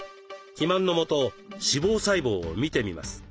肥満のもと脂肪細胞を見てみます。